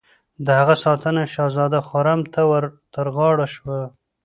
د هغه ساتنه شهزاده خرم ته ور تر غاړه شوه.